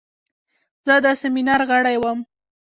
زه د سیمینار غړی وم.